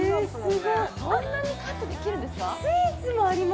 そんなにカットできるんですかあっ